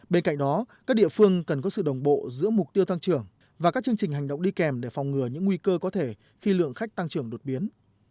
bên cạnh đó các địa phương cần có sự đồng bộ giữa mục tiêu tăng trưởng và các chương trình hành động đi kèm để phòng ngừa những nguy cơ có thể khi lượng khách tăng trưởng đột biến